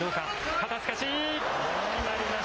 肩透かし。